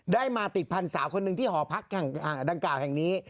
ได้มาติดพันธุ์สาวคนหนึ่งที่หอพักดังกล่าวแห่งนี้